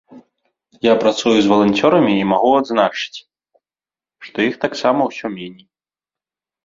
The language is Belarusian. Я працую з валанцёрамі і магу адзначыць, што іх таксама ўсё меней.